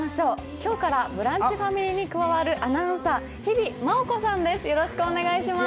今日からブランチファミリーに加わるアナウンサー、日比麻音子さんです